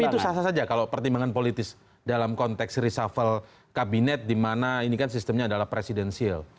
tapi itu sah sah saja kalau pertimbangan politis dalam konteks reshuffle kabinet dimana ini kan sistemnya adalah presidensial